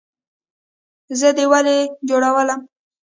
زه دې ولۍ جوړولم؟